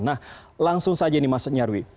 nah langsung saja ini mas nyarwi